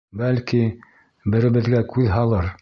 Бәлки, беребеҙгә күҙ һалыр.